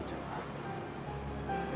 insya allah saya akan berangkat ke jepara